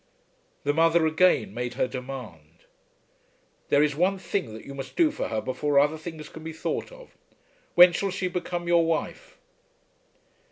The mother again made her demand. "There is one thing that you must do for her before other things can be thought of. When shall she become your wife?"